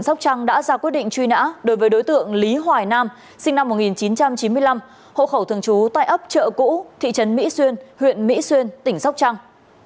sinh năm một nghìn chín trăm chín mươi năm hộ khẩu thường trú tại ấp chợ cũ thị trấn mỹ xuyên huyện mỹ xuyên tỉnh sóc trăng